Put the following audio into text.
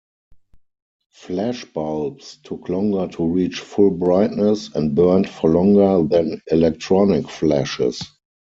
Flashbulbs took longer to reach full brightness and burned for longer than electronic flashes.